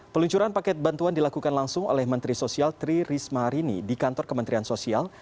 peluncuran paket bantuan dilakukan langsung oleh menteri sosial tri risma harini di kantor kementerian sosial